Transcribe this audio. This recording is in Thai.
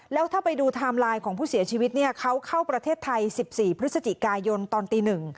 แล้วถ้าไปดูไทม์ไลน์ของผู้เสียชีวิตเนี่ยเขาเข้าประเทศไทย๑๔พฤศจิกายนตอนตีหนึ่ง